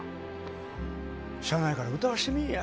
しゃあないから歌わしてみいや。